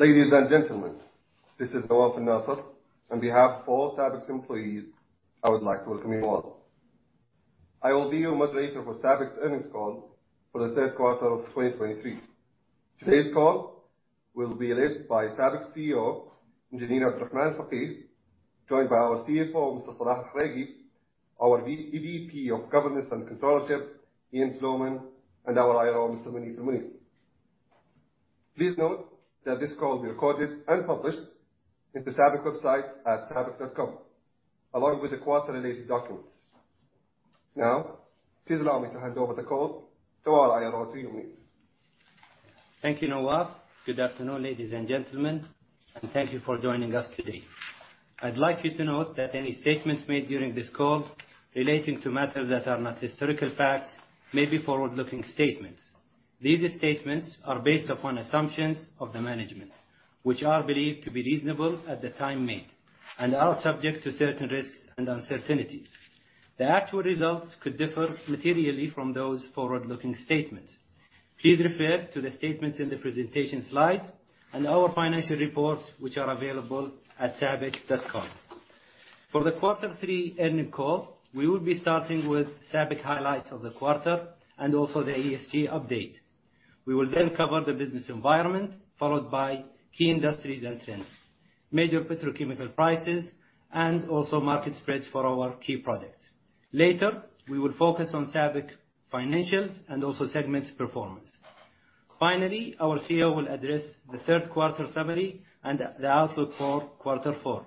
Ladies and gentlemen, this is Nawaf Al-Nasser. On behalf of all SABIC's employees, I would like to welcome you all. I will be your moderator for SABIC's Earnings Call for the Third Quarter of 2023. Today's call will be led by SABIC's CEO, Engineer Abdulrahman Al-Fageeh, joined by our CFO, Mr. Salah Al-Hareky, our EVP of Governance and [Controlship] [Ian Sloman] and our IRO, Mr. Moneef Al-Moneef. Please note that this call will be recorded and published in the SABIC website at sabic.com, along with the quarter-related documents. Now, please allow me to hand over the call to our IRO, to you, Moneef. Thank you, Nawaf. Good afternoon, ladies and gentlemen, and thank you for joining us today. I'd like you to note that any statements made during this call relating to matters that are not historical facts may be forward-looking statements. These statements are based upon assumptions of the management, which are believed to be reasonable at the time made and are subject to certain risks and uncertainties. The actual results could differ materially from those forward-looking statements. Please refer to the statements in the presentation slides and our financial reports, which are available at sabic.com. For the quarter three earnings call, we will be starting with SABIC highlights of the quarter and also the ESG update. We will then cover the business environment, followed by key industries and trends, major petrochemical prices, and also market spreads for our key products. Later, we will focus on SABIC financials and also segments performance. Finally, our CEO will address the third quarter summary and the outlook for quarter four.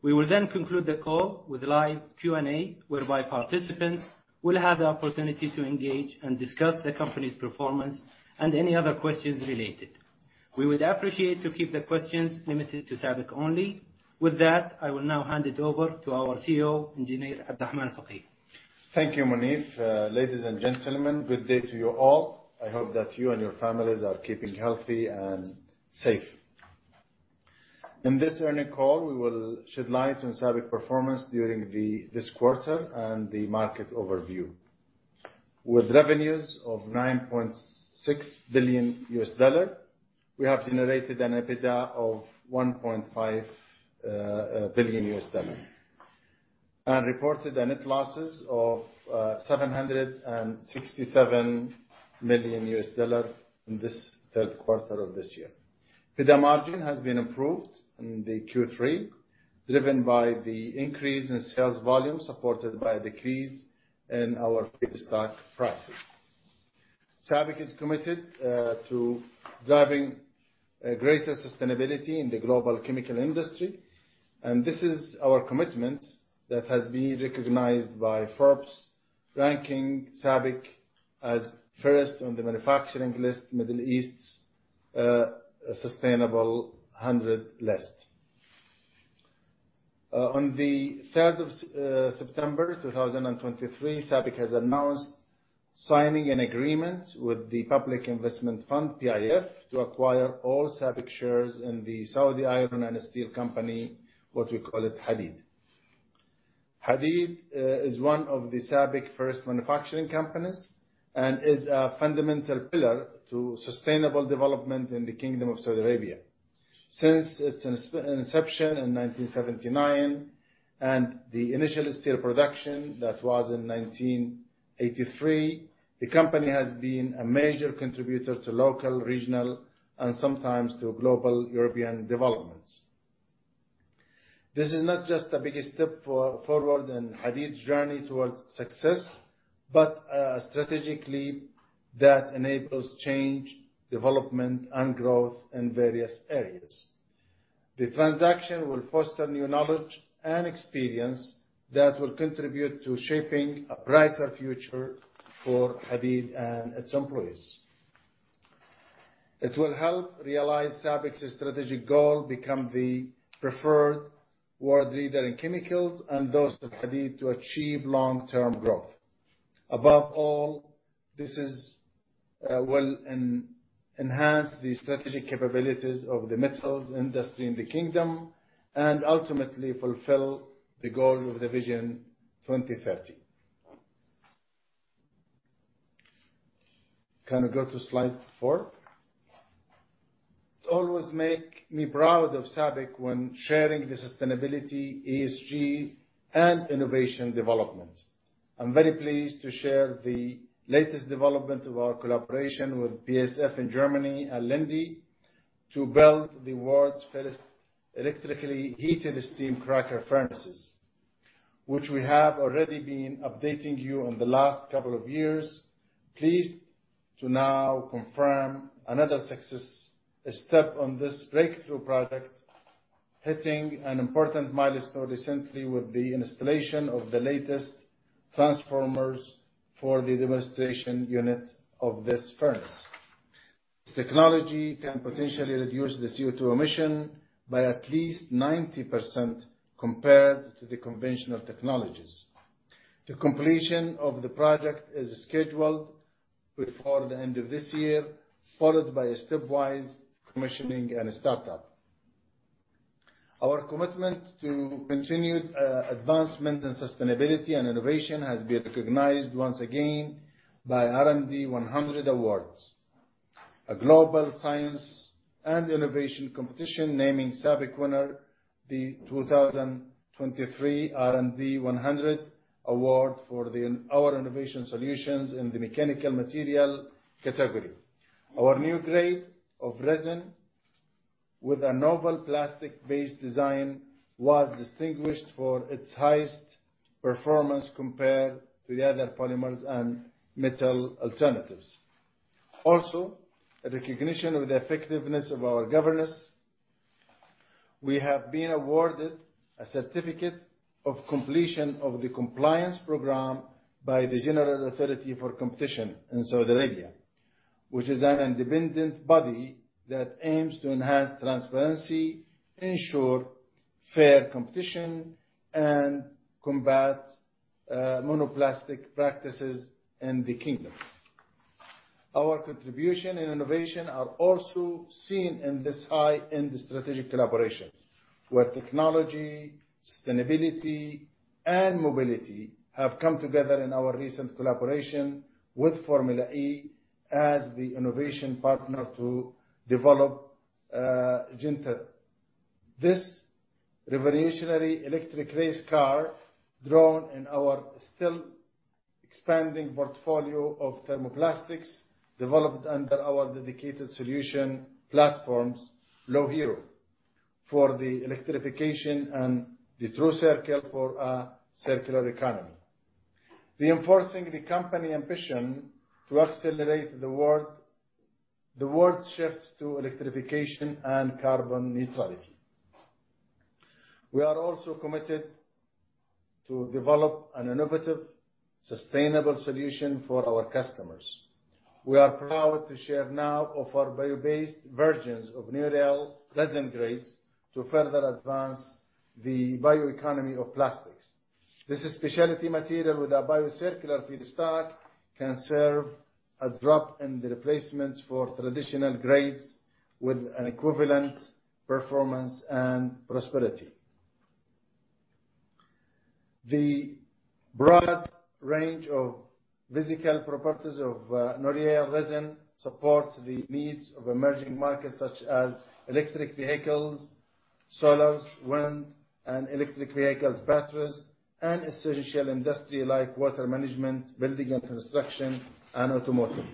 We will then conclude the call with live Q&A, whereby participants will have the opportunity to engage and discuss the company's performance and any other questions related. We would appreciate to keep the questions limited to SABIC only. With that, I will now hand it over to our CEO, Engineer Abdulrahman Al-Fageeh. Thank you, Moneef. Ladies and gentlemen, good day to you all. I hope that you and your families are keeping healthy and safe. In this earnings call, we will shed light on SABIC performance during this quarter and the market overview. With revenues of $9.6 billion, we have generated an EBITDA of $1.5 billion, and reported a net loss of $767 million in this third quarter of this year. EBITDA margin has been improved in the Q3, driven by the increase in sales volume, supported by a decrease in our feedstock prices. SABIC is committed to driving greater sustainability in the global chemical industry, and this is our commitment that has been recognized by Forbes, ranking SABIC as first on the manufacturing list, Middle East's Sustainable 100 List. On the 3rd of September 2023, SABIC has announced signing an agreement with the Public Investment Fund, PIF, to acquire all SABIC shares in the Saudi Iron and Steel Company, what we call it, Hadeed. Hadeed is one of the SABIC first manufacturing companies and is a fundamental pillar to sustainable development in the Kingdom of Saudi Arabia. Since its inception in 1979 and the initial steel production that was in 1983, the company has been a major contributor to local, regional, and sometimes to global European developments. This is not just a big step forward in Hadeed's journey towards success, but a strategic leap that enables change, development, and growth in various areas. The transaction will foster new knowledge and experience that will contribute to shaping a brighter future for Hadeed and its employees. It will help realize SABIC's strategic goal, become the preferred world leader in chemicals and those of Hadeed to achieve long-term growth. Above all, this will enhance the strategic capabilities of the metals industry in the kingdom and ultimately fulfill the goal of the Vision 2030. Can we go to slide four? It always make me proud of SABIC when sharing the sustainability, ESG, and innovation development. I'm very pleased to share the latest development of our collaboration with BASF in Germany and Linde to build the world's first electrically heated steam cracker furnaces, which we have already been updating you on the last couple of years. Pleased to now confirm another success, a step on this breakthrough project, hitting an important milestone recently with the installation of the latest transformers for the demonstration unit of this furnace. This technology can potentially reduce the CO2 emission by at least 90% compared to the conventional technologies. The completion of the project is scheduled before the end of this year, followed by a stepwise commissioning and a startup. Our commitment to continued advancement and sustainability and innovation has been recognized once again by R&D 100 Awards, a global science and innovation competition, naming SABIC winner the 2023 R&D 100 Award for our innovation solutions in the mechanical material category. Our new grade of resin with a novel plastic-based design was distinguished for its highest performance compared to the other polymers and metal alternatives. Also, a recognition of the effectiveness of our governance, we have been awarded a certificate of completion of the compliance program by the General Authority for Competition in Saudi Arabia, which is an independent body that aims to enhance transparency, ensure fair competition, and combat monopolistic practices in the kingdom. Our contribution and innovation are also seen in this high-end strategic collaboration, where technology, sustainability, and mobility have come together in our recent collaboration with Formula E as the innovation partner to develop GENBETA. This revolutionary electric race car, drawn in our still expanding portfolio of thermoplastics, developed under our dedicated solution platforms, BLUEHERO for the electrification and TRUCIRCLE for a circular economy. Reinforcing the company ambition to accelerate the world, the world shifts to electrification and carbon neutrality. We are also committed to develop an innovative, sustainable solution for our customers. We are proud to share now of our bio-based versions of NORYL resin grades to further advance the bioeconomy of plastics. This specialty material with our bio-circular feedstock can serve a drop in the replacements for traditional grades with an equivalent performance and processability. The broad range of physical properties of NORYL resin supports the needs of emerging markets such as electric vehicles, solars, wind, and electric vehicles, batteries, and essential industry like water management, building and construction, and automotive.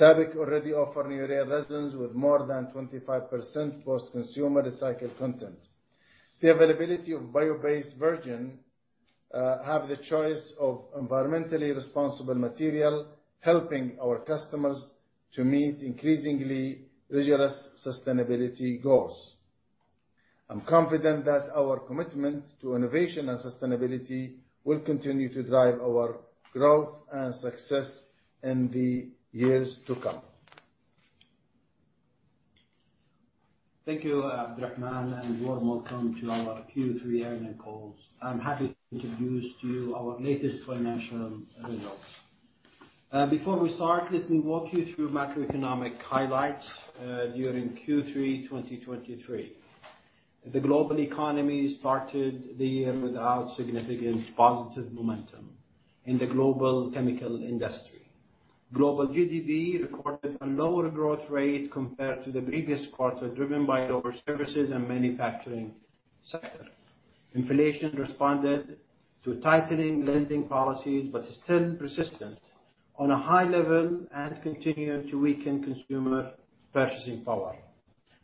SABIC already offer NORYL resins with more than 25% post-consumer recycled content. The availability of bio-based versions have the choice of environmentally responsible material, helping our customers to meet increasingly rigorous sustainability goals. I'm confident that our commitment to innovation and sustainability will continue to drive our growth and success in the years to come. Thank you, Abdulrahman, and warm welcome to our Q3 earnings calls. I'm happy to introduce to you our latest financial results. Before we start, let me walk you through macroeconomic highlights during Q3 2023. The global economy started the year without significant positive momentum in the global chemical industry. Global GDP recorded a lower growth rate compared to the previous quarter, driven by lower services and manufacturing sector. Inflation responded to tightening lending policies, but still persistent on a high level and continued to weaken consumer purchasing power.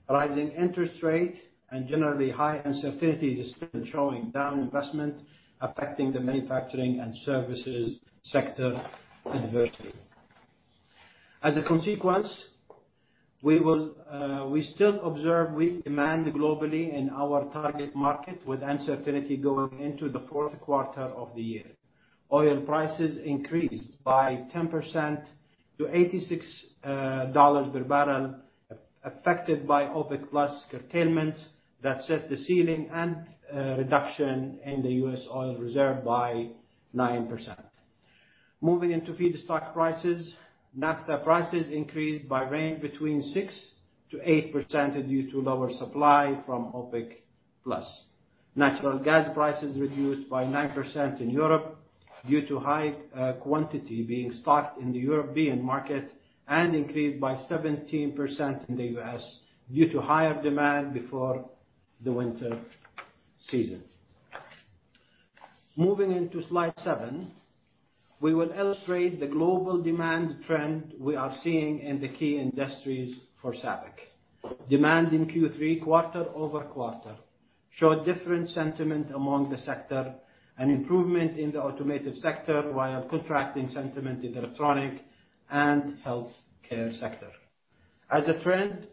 Rising interest rate and generally high uncertainties is still slowing down investment, affecting the manufacturing and services sector adversely. As a consequence, we will, we still observe weak demand globally in our target market, with uncertainty going into the fourth quarter of the year. Oil prices increased by 10% to $86 per barrel, affected by OPEC+ curtailments that set the ceiling and reduction in the U.S. oil reserve by 9%. Moving into feedstock prices, naphtha prices increased by range between 6%-8% due to lower supply from OPEC+. Natural gas prices reduced by 9% in Europe due to high quantity being stocked in the European market and increased by 17% in the U.S. due to higher demand before the winter season. Moving into slide seven we will illustrate the global demand trend we are seeing in the key industries for SABIC. Demand in Q3 quarter-over-quarter showed different sentiment among the sector, an improvement in the automotive sector, while contracting sentiment in electronic and healthcare sector. As a trend,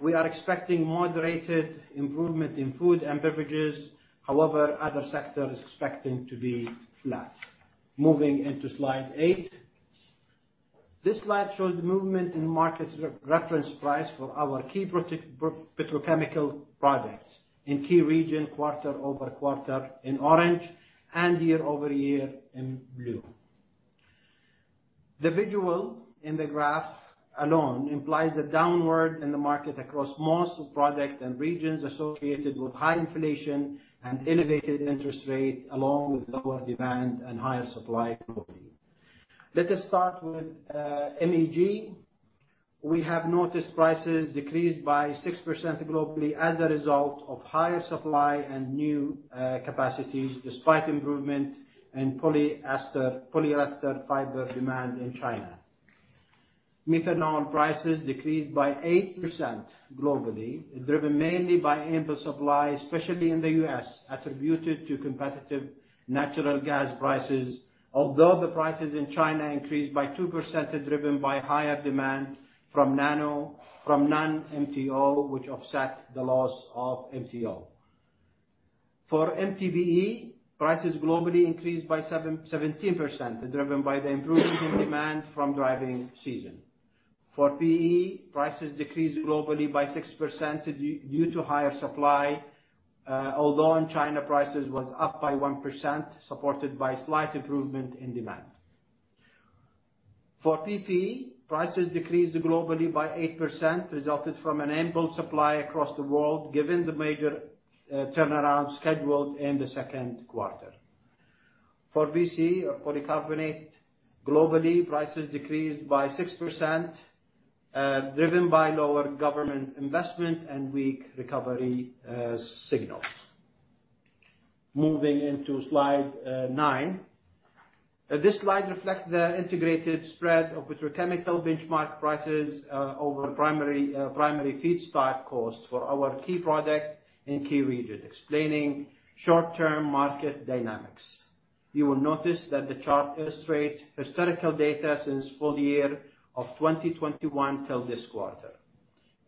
we are expecting moderated improvement in food and beverages. However, other sectors is expecting to be flat. Moving into slide eight. This slide shows the movement in market reference price for our key petrochemical products in key region, quarter-over-quarter in orange and year-over-year in blue. The visual in the graph alone implies a downward in the market across most products and regions associated with high inflation and elevated interest rate, along with lower demand and higher supply globally. Let us start with MEG. We have noticed prices decreased by 6% globally as a result of higher supply and new capacities, despite improvement in polyester fiber demand in China. Methanol prices decreased by 8% globally, driven mainly by ample supply, especially in the U.S., attributed to competitive natural gas prices. Although the prices in China increased by 2%, driven by higher demand from non-MTO, which offset the loss of MTO. For MTBE, prices globally increased by 17%, driven by the improvement in demand from driving season. For PE, prices decreased globally by 6% due to higher supply, although in China, prices was up by 1%, supported by slight improvement in demand. For PP, prices decreased globally by 8%, resulted from an ample supply across the world, given the major turnaround scheduled in the second quarter. For PC or polycarbonate, globally, prices decreased by 6%, driven by lower government investment and weak recovery signals. Moving into slide nine. This slide reflects the integrated spread of petrochemical benchmark prices over primary feedstock costs for our key product in key regions, explaining short-term market dynamics. You will notice that the chart illustrates historical data since full year of 2021 till this quarter.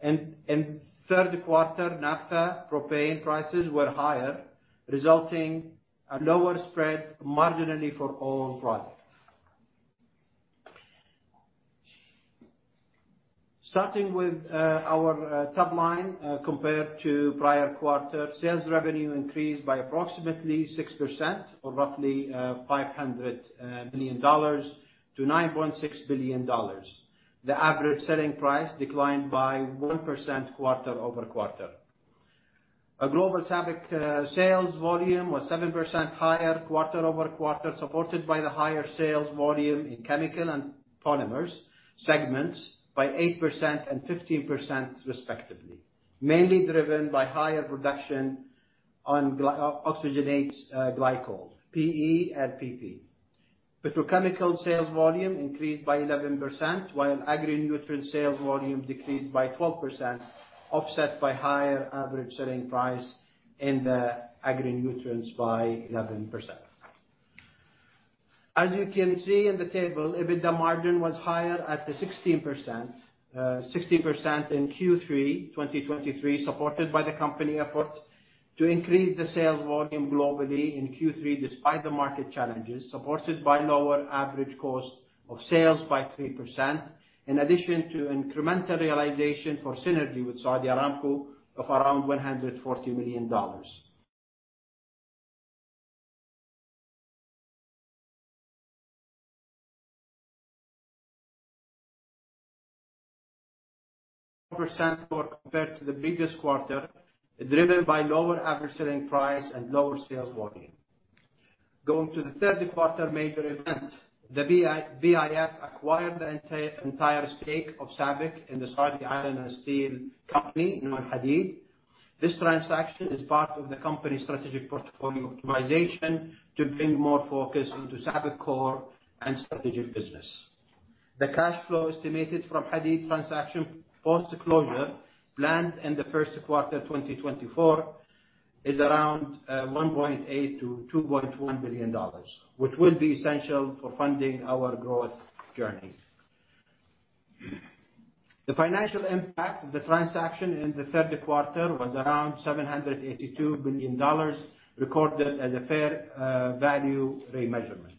In third quarter, naphtha and propane prices were higher, resulting in a lower spread marginally for all products. Starting with our top line, compared to prior quarter, sales revenue increased by approximately 6% or roughly $500 million to $9.6 billion. The average selling price declined by 1% quarter-over-quarter. Our global SABIC sales volume was 7% higher quarter-over-quarter, supported by the higher sales volume in Chemical and Polymers segments by 8% and 15% respectively, mainly driven by higher production on glycols, PE and PP. Petrochemical sales volume increased by 11%, while agri-nutrient sales volume decreased by 12%, offset by higher average selling price in the Agri-Nutrients by 11%. As you can see in the table, EBITDA margin was higher at the 16%, 16% in Q3 2023, supported by the company efforts to increase the sales volume globally in Q3, despite the market challenges, supported by lower average cost of sales by 3%, in addition to incremental realization for synergy with Saudi Aramco of around $140 million. Percent for compared to the biggest quarter, driven by lower average selling price and lower sales volume. Going to the third quarter major event, the PIF acquired the entire stake of SABIC in the Saudi Iron and Steel Company, Hadeed. This transaction is part of the company's strategic portfolio optimization to bring more focus into SABIC core and strategic business. The cash flow estimated from Hadeed transaction, post-closure, planned in the first quarter 2024, is around $1.8 billion-$2.1 billion, which will be essential for funding our growth journey. The financial impact of the transaction in the third quarter was around $782 million, recorded as a fair value remeasurement.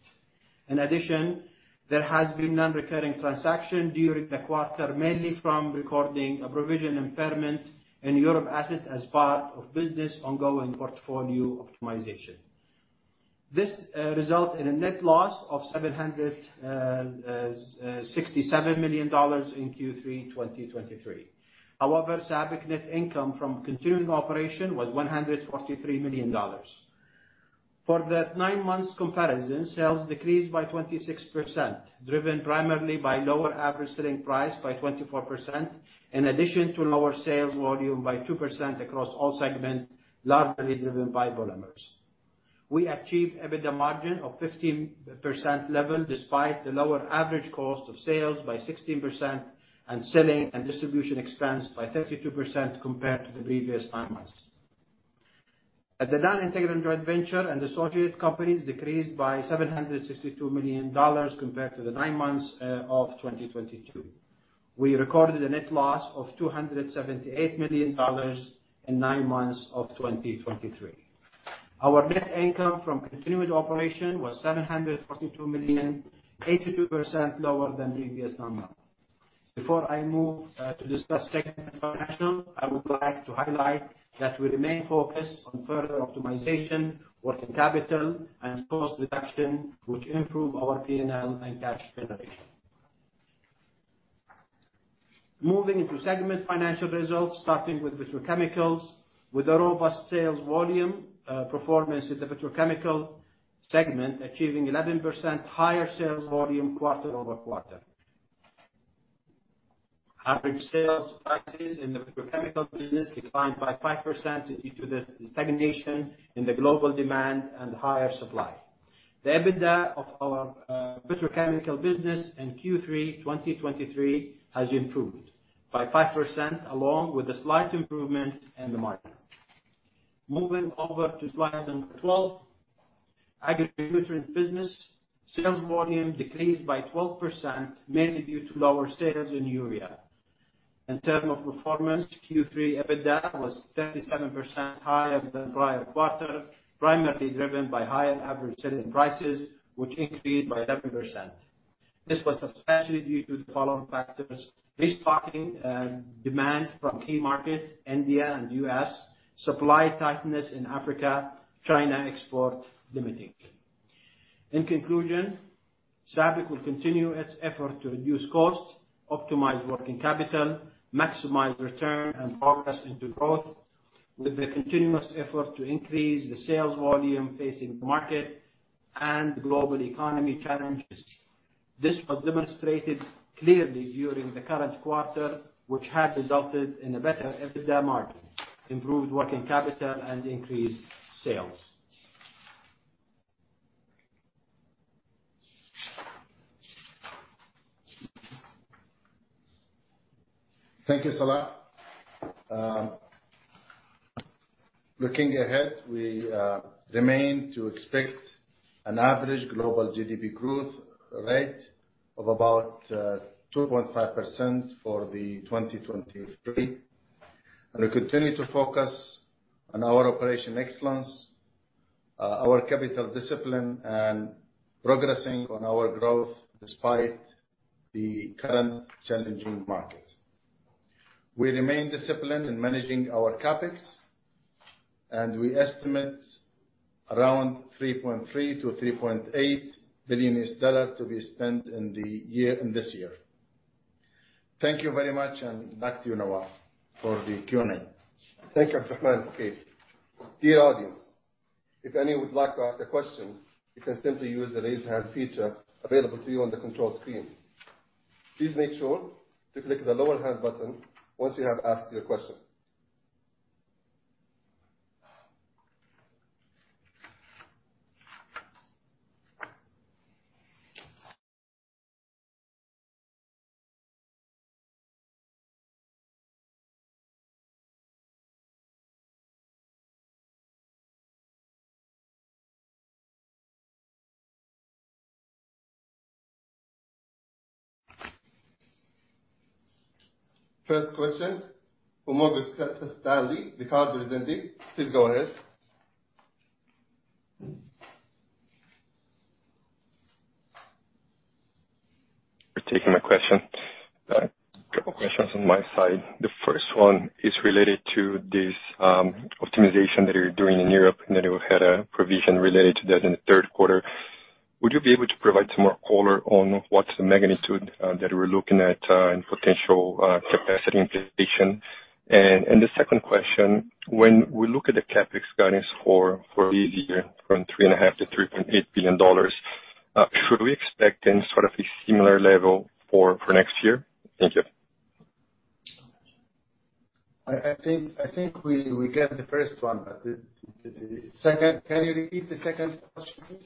In addition, there has been non-recurring transaction during the quarter, mainly from recording a provision impairment in Europe assets as part of business ongoing portfolio optimization. This result in a net loss of $767 million in Q3 2023. However, SABIC net income from continuing operation was $143 million. For the nine months comparison, sales decreased by 26%, driven primarily by lower average selling price by 24%, in addition to lower sales volume by 2% across all segments, largely driven by polymers. We achieved EBITDA margin of 15% level, despite the lower average cost of sales by 16% and selling and distribution expense by 32% compared to the previous nine months. At the non-integrated joint venture and associate companies decreased by $762 million compared to the nine months of 2022. We recorded a net loss of $278 million in nine months of 2023. Our net income from continuing operation was $742 million, 82% lower than previous nine months.... Before I move to discuss segment international, I would like to highlight that we remain focused on further optimization, working capital, and cost reduction, which improve our P&L and cash generation. Moving into segment financial results, starting with Petrochemicals. With a robust sales volume performance in the Petrochemical segment, achieving 11% higher sales volume quarter-over-quarter. Average sales prices in the Petrochemical business declined by 5% due to the stagnation in the global demand and higher supply. The EBITDA of our Petrochemical business in Q3 2023 has improved by 5%, along with a slight improvement in the market. Moving over to slide number 12, Agri-Nutrients business. Sales volume decreased by 12%, mainly due to lower sales in urea. In terms of performance, Q3 EBITDA was 37% higher than prior quarter, primarily driven by higher average selling prices, which increased by 11%. This was substantially due to the following factors: restocking, demand from key markets, India and U.S., supply tightness in Africa, China export limiting. In conclusion, SABIC will continue its effort to reduce costs, optimize working capital, maximize return, and progress into growth with the continuous effort to increase the sales volume facing the market and global economy challenges. This was demonstrated clearly during the current quarter, which has resulted in a better EBITDA margin, improved working capital, and increased sales. Thank you, Salah. Looking ahead, we remain to expect an average global GDP growth rate of about 2.5% for 2023. We continue to focus on our operation excellence, our capital discipline, and progressing on our growth despite the current challenging market. We remain disciplined in managing our CapEx, and we estimate around $3.3 billion-$3.8 billion to be spent in the year, in this year. Thank you very much, and back to you, Nawaf, for the Q&A. Thank you, Abdulrahman Al-Fageeh. Dear audience, if any would like to ask a question, you can simply use the Raise Hand feature available to you on the control screen. Please make sure to click the Lower Hand button once you have asked your question. First question, from Morgan Stanley, Ricardo Rezende, please go ahead. For taking my question. Couple questions on my side. The first one is related to this optimization that you're doing in Europe, and that you had a provision related to that in the third quarter. Would you be able to provide some more color on what's the magnitude that we're looking at, and potential capacity implication? And the second question, when we look at the CapEx guidance for this year, from $3.5 billion-$3.8 billion, should we expect any sort of a similar level for next year? Thank you. I think we get the first one, but the second... Can you repeat the second question, please?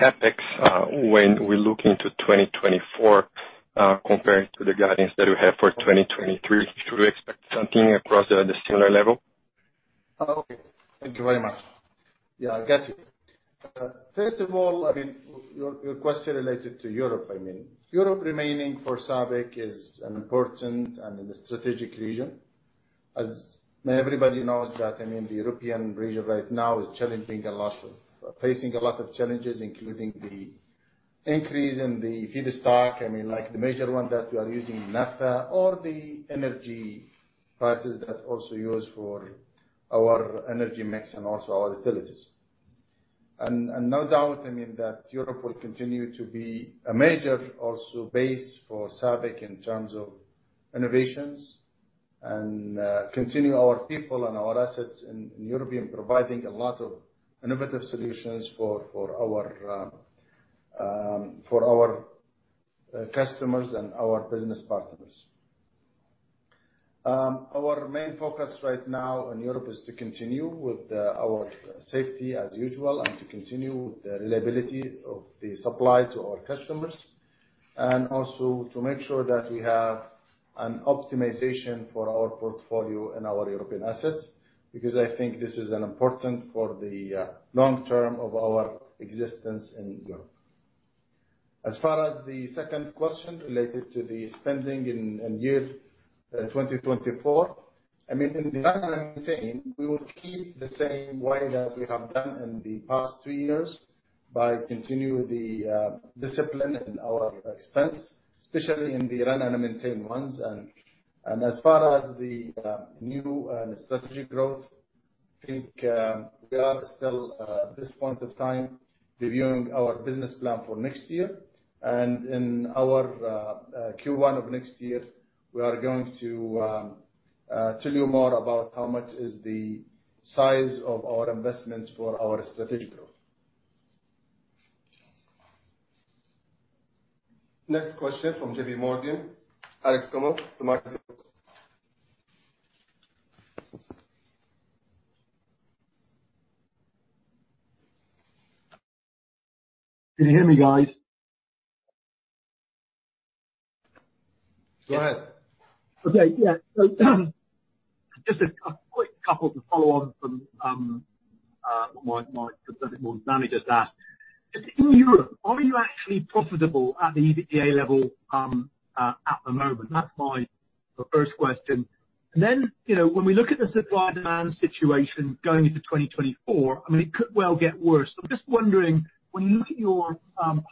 Yes. On the CapEx, when we look into 2024, compared to the guidance that you have for 2023, should we expect something across the similar level? Oh, okay. Thank you very much. Yeah, I get you. First of all, I mean, your question related to Europe, I mean. Europe remaining for SABIC is an important and a strategic region. As everybody knows that, I mean, the European region right now is facing a lot of challenges, including the increase in the feedstock. I mean, like the major one, that we are using, naphtha, or the energy prices that also use for our energy mix and also our utilities. And no doubt, I mean, that Europe will continue to be a major also base for SABIC in terms of innovations and continue our people and our assets in European, providing a lot of innovative solutions for our customers and our business partners. Our main focus right now in Europe is to continue with our safety as usual and to continue the reliability of the supply to our customers, and also to make sure that we have an optimization for our portfolio and our European assets, because I think this is an important for the long term of our existence in Europe. As far as the second question related to the spending in year 2024?... I mean, in the run and maintain, we will keep the same way that we have done in the past two years, by continuing the discipline in our expense, especially in the run and maintain ones. And as far as the new and strategic growth, I think we are still at this point of time, reviewing our business plan for next year. And in our Q1 of next year, we are going to tell you more about how much is the size of our investments for our strategic growth. Next question from JP Morgan, Alex Comer. Can you hear me, guys? Go ahead. Okay, yeah. So, just a quick couple to follow on from my specific managers asked. Just in Europe, are you actually profitable at the EBITDA level at the moment? That's my first question. And then, you know, when we look at the supply/demand situation going into 2024, I mean, it could well get worse. I'm just wondering, when you look at your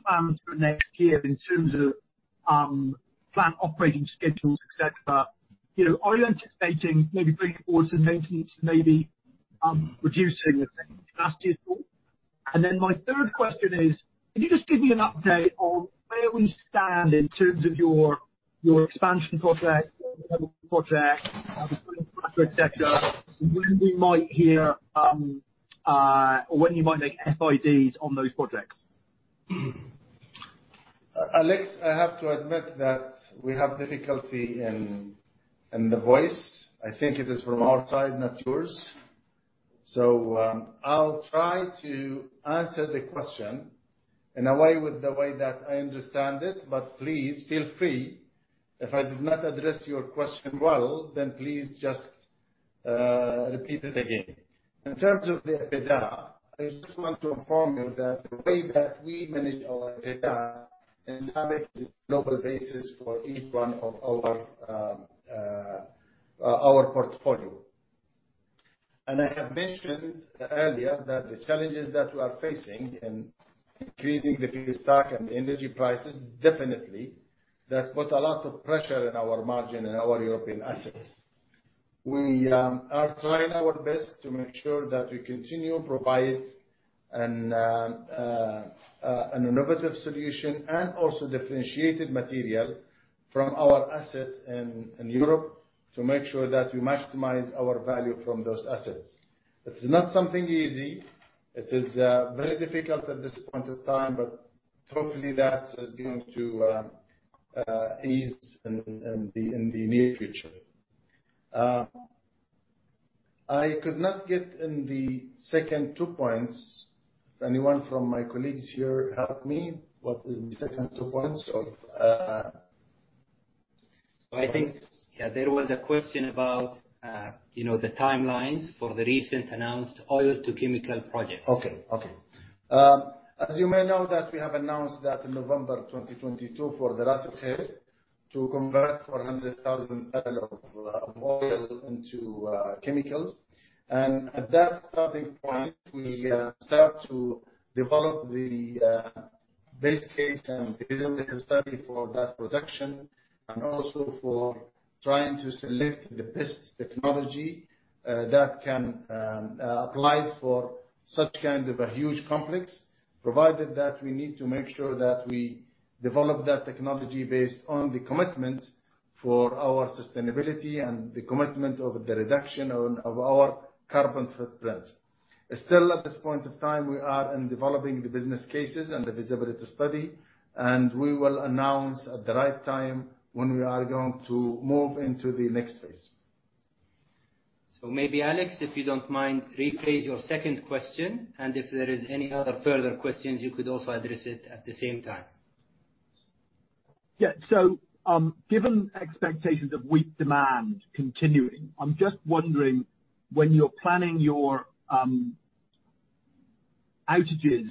plans for next year in terms of plant operating schedules, et cetera, you know, are you anticipating maybe bringing forward some maintenance, maybe reducing capacity at all? And then my third question is: can you just give me an update on where we stand in terms of your expansion project, et cetera, when we might hear or when you might make FIDs on those projects? Alex, I have to admit that we have difficulty in the voice. I think it is from our side, not yours. So, I'll try to answer the question in a way with the way that I understand it, but please feel free, if I do not address your question well, then please just repeat it again. In terms of the EBITDA, I just want to inform you that the way that we manage our EBITDA and have it global basis for each one of our, our portfolio. And I have mentioned earlier that the challenges that we are facing in increasing the feedstock and energy prices, definitely, that put a lot of pressure in our margin and our European assets. We are trying our best to make sure that we continue to provide an innovative solution and also differentiated material from our asset in Europe, to make sure that we maximize our value from those assets. It is not something easy. It is very difficult at this point of time, but hopefully that is going to ease in the near future. I could not get in the second two points. Anyone from my colleagues here help me, what is the second two points of- I think, yeah, there was a question about, you know, the timelines for the recent announced oil-to-chemical projects. Okay, okay. As you may know, that we have announced that in November 2022 for the Ras Al-Khair, to convert 400,000 barrels of oil into chemicals. At that starting point, we start to develop the base case and feasibility study for that production, and also for trying to select the best technology that can apply for such kind of a huge complex. Provided that we need to make sure that we develop that technology based on the commitment for our sustainability and the commitment of the reduction of our carbon footprint. Still, at this point of time, we are in developing the business cases and the feasibility study, and we will announce at the right time when we are going to move into the next phase. Maybe Alex, if you don't mind, rephrase your second question, and if there is any other further questions, you could also address it at the same time. Yeah. So, given expectations of weak demand continuing, I'm just wondering when you're planning your outages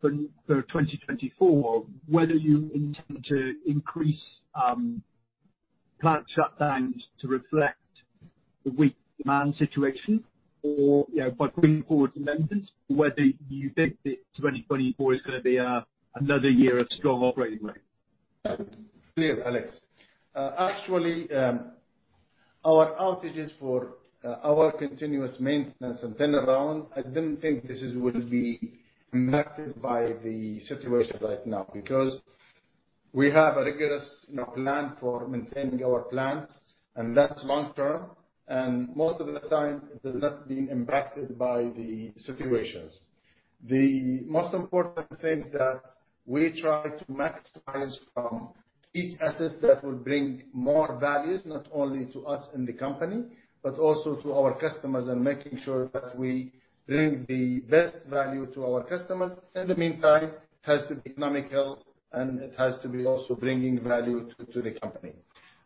for 2024, whether you intend to increase plant shutdowns to reflect the weak demand situation, or, you know, by bringing forward maintenance, whether you think that 2024 is going to be another year of strong operating rates? Clear, Alex. Actually, our outages for our continuous maintenance and turnaround, I didn't think this is would be impacted by the situation right now, because we have a rigorous, you know, plan for maintaining our plants, and that's long term. Most of the time, it has not been impacted by the situations. The most important thing that we try to maximize from each asset that will bring more values, not only to us in the company, but also to our customers, and making sure that we bring the best value to our customers. In the meantime, it has to be economical, and it has to be also bringing value to, to the company.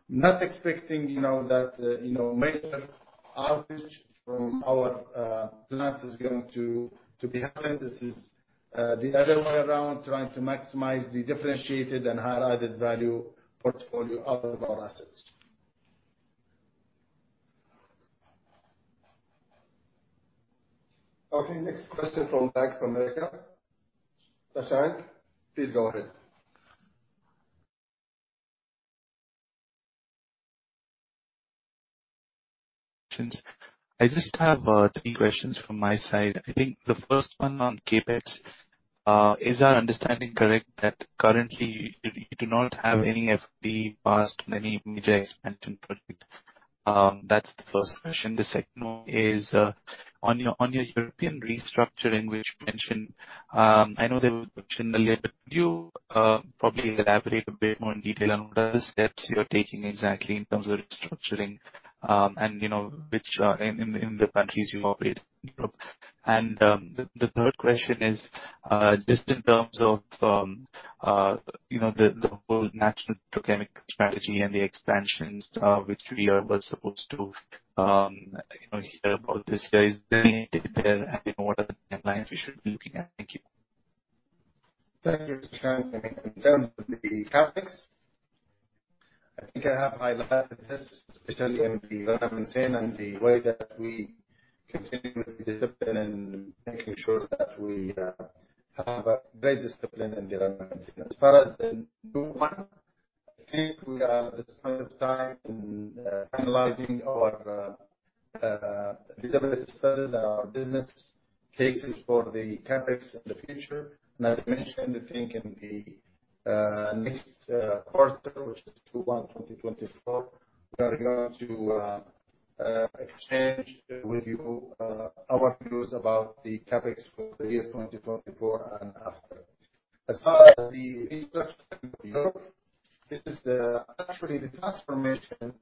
Not expecting, you know, that, you know, major outage from our, plants is going to, to be happening. This is-... the other way around, trying to maximize the differentiated and higher added value portfolio out of our assets. Okay, next question from Bank of America. Shashank, please go ahead. I just have three questions from my side. I think the first one on CapEx is our understanding correct that currently you do not have any of the past many major expansion project? That's the first question. The second one is on your European restructuring, which you mentioned. I know they were mentioned earlier, but could you probably elaborate a bit more in detail on what are the steps you're taking exactly in terms of restructuring, and you know which in the countries you operate in Europe? The third question is just in terms of, you know, the whole national petrochemical strategy and the expansions, which was supposed to, you know, hear about this, is there any update there, and what are the timelines we should be looking at? Thank you. Thank you, Shashank. In terms of the CapEx, I think I have highlighted this, especially in the way that we continue with the discipline in making sure that we have a great discipline. As far as the new one, I think we are, at this point of time, in analyzing our feasibility studies and our business cases for the CapEx in the future. And as I mentioned, I think in the next quarter, which is Q1 2024, we are going to exchange with you our views about the CapEx for the year 2024 and after. As far as the research in Europe, this is the... Actually, the transformation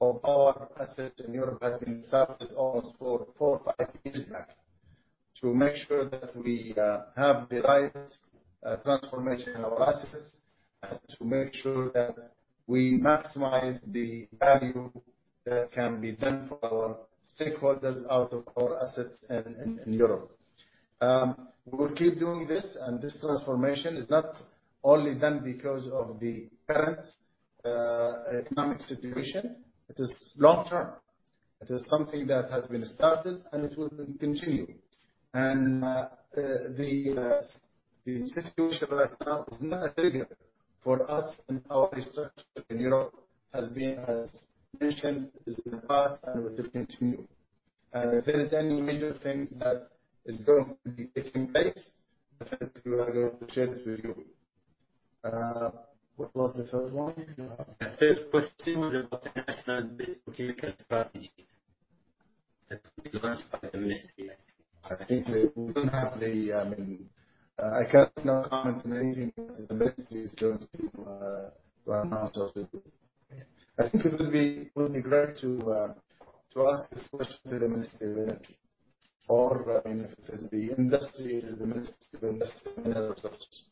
of our assets in Europe has been started almost four to five years back, to make sure that we have the right transformation in our assets, and to make sure that we maximize the value that can be done for our stakeholders out of our assets in Europe. We will keep doing this, and this transformation is not only done because of the current economic situation, it is long-term. It is something that has been started, and it will continue. And the situation right now is not a trigger for us, and our restructure in Europe has been, as mentioned, is in the past and will continue. And if there is any major things that is going to be taking place, I think we are going to share it with you. What was the first one? The first question was about the national petrochemicals strategy. I think we don't have the, I can't now comment on anything the ministry is going to announce also. I think it would be, would be great to to ask this question to the Ministry of Energy or, if it's the industry, it is the Ministry of Industry and Mineral Resources.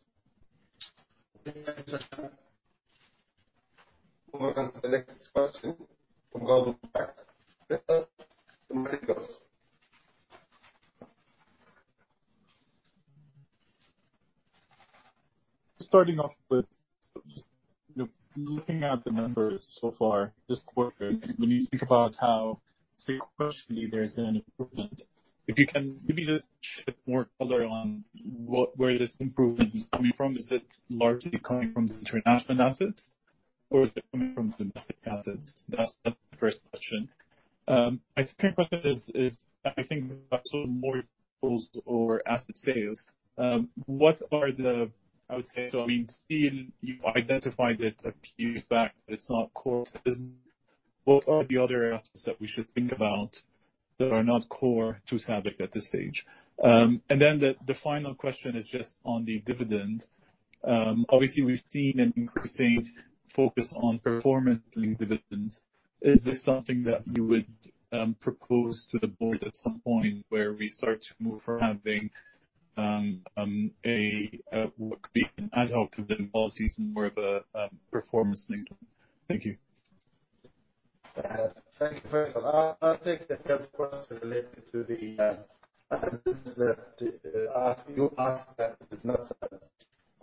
Okay, Shashank. We'll move on to the next question from Goldman Sachs. Faisal, the mic is yours. Starting off with just, you know, looking at the numbers so far this quarter, when you think about how, say, personally, there's been an improvement, if you can maybe just shed more color on what, where this improvement is coming from. Is it largely coming from the international assets, or is it coming from domestic assets? That's the first question. My second question is, is I think about more tools or asset sales. What are the... I would say, so we've seen you've identified it a few years back, but it's not core business. What are the other areas that we should think about that are not core to SABIC at this stage? And then the final question is just on the dividend. Obviously, we've seen an increasing focus on performance link dividends. Is this something that you would propose to the Board at some point, where we start to move from having what could be an ad hoc dividend policy to more of a performance link? Thank you. Thank you. First of all, I'll take the third question related to the, as you asked, that is not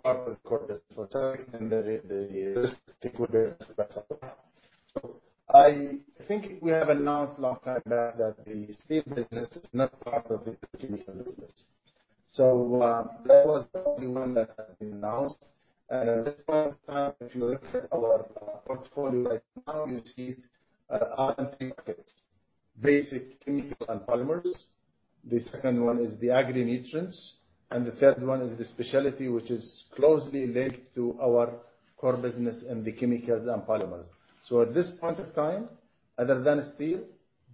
our core business, and the liquidity. So I think we have announced long time back that the steel business is not part of the business. So, that was the only one that has been announced. And at this point in time, if you look at our portfolio right now, you see, our three markets: basic chemicals and polymers, the second one is the agri nutrients, and the third one is the specialty, which is closely linked to our core business in the chemicals and polymers. So at this point of time, other than steel,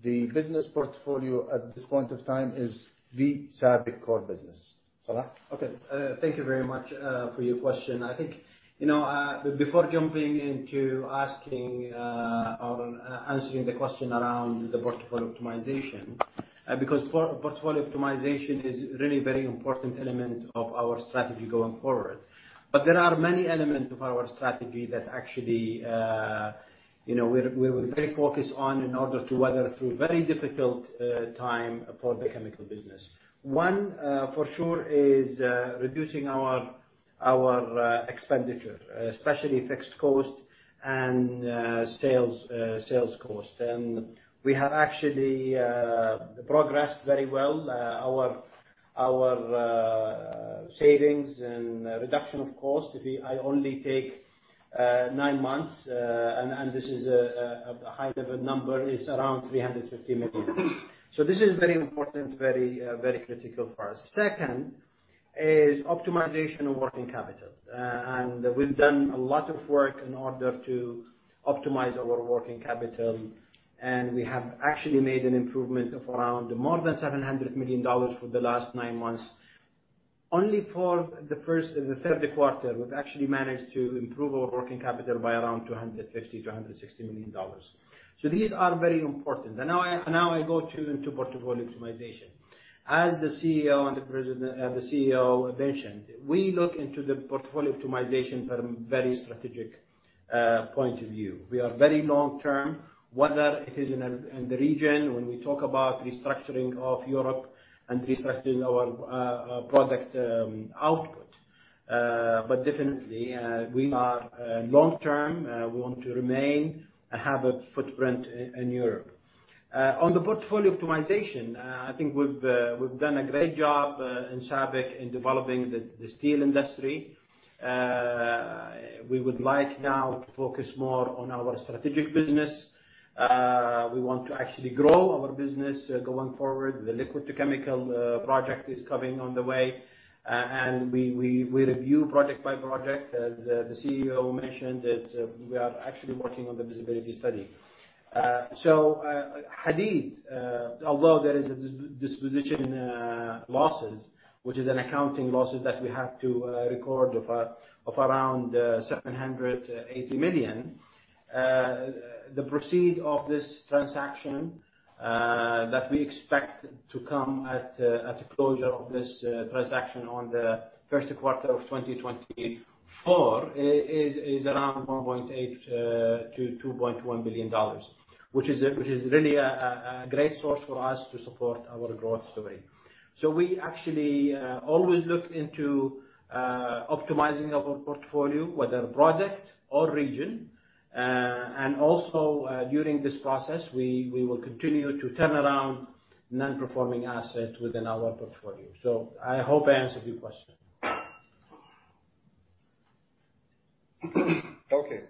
the business portfolio at this point of time is the SABIC core business. Salah? Okay, thank you very much for your question. I think, you know, before jumping into asking, or answering the question around the portfolio optimization, because portfolio optimization is really very important element of our strategy going forward. But there are many elements of our strategy that actually, you know, we're very focused on in order to weather through very difficult time for the chemical business. One, for sure is reducing our expenditure, especially fixed costs and sales cost. And we have actually progressed very well. Our savings and reduction of cost, if I only take nine months, and this is a high level number, is around $350 million. So this is very important, very critical for us. Second is optimization of working capital. And we've done a lot of work in order to optimize our working capital, and we have actually made an improvement of around more than $700 million for the last nine months. Only for the first and the third quarter, we've actually managed to improve our working capital by around $250 million-$260 million. So these are very important. And now I go into portfolio optimization. As the CEO and the president, the CEO mentioned, we look into the portfolio optimization from a very strategic point of view. We are very long-term, whether it is in the region, when we talk about restructuring of Europe and restructuring our product output. But definitely, we are long-term, we want to remain and have a footprint in Europe. On the portfolio optimization, I think we've done a great job in SABIC in developing the steel industry. We would like now to focus more on our strategic business. We want to actually grow our business going forward. The liquid to chemical project is coming on the way, and we review project by project. As the CEO mentioned, that we are actually working on the feasibility study. So, Hadeed, although there is a disposition losses, which is an accounting losses that we have to record of around $780 million. The proceeds of this transaction that we expect to come at the closure of this transaction on the first quarter of 2024 is around $1.8 billion-$2.1 billion, which is really a great source for us to support our growth story. So we actually always look into optimizing our portfolio, whether project or region. And also, during this process, we will continue to turn around non-performing assets within our portfolio. So I hope I answered your question. Okay.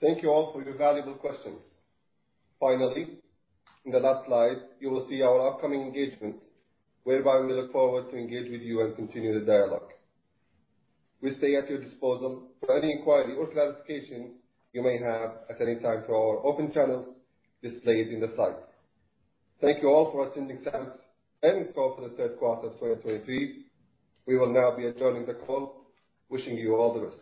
Thank you all for your valuable questions. Finally, in the last slide, you will see our upcoming engagements, whereby we look forward to engage with you and continue the dialogue. We stay at your disposal for any inquiry or clarification you may have at any time through our open channels displayed in the slide. Thank you all for attending SABIC's earnings call for the third quarter of 2023. We will now be adjourning the call, wishing you all the best.